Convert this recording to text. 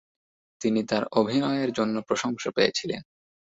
তিনি তার অভিনয়ের জন্য প্রশংসা পেয়েছিলেন।